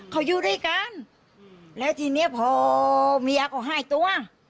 เขาอยู่ด้วยกันแล้วทีเนี้ยพอเมียเขาให้ตัว